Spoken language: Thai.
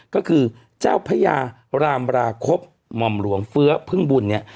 ก็คือเจ้าพญารามราคบหม่อมหลวงเฟื้อพึ่งบุญเนี่ย